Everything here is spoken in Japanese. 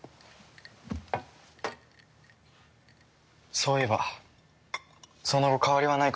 そういえばその後変わりはないか？